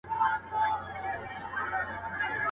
یو مي ته په یارانه کي شل مي نور نیولي دینه.